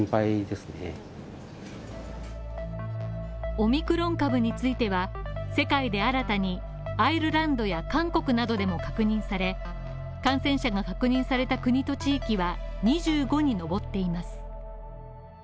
オミクロン株については、世界で新たにアイルランドや韓国などでも確認され、感染者が確認された国と地域は２５に上っています。